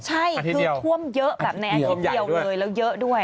ใช่คือท่วมเยอะแบบในอาทิตย์เดียวเลยแล้วเยอะด้วย